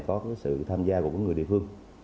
có cái sự tham gia của những người địa phương